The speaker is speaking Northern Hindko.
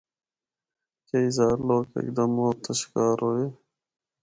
کئی ہزار لوگ ہک دم موت دا شکار ہوئے۔